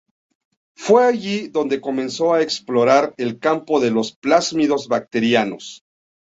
Fue allí donde comenzó a explorar el campo de los plásmidos bacterianos.